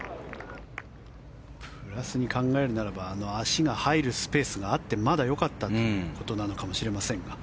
プラスに考えるならば足の入るスペースがあってまだよかったということなのかもしれませんが。